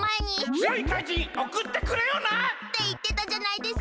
つよい怪人おくってくれよな！っていってたじゃないですか。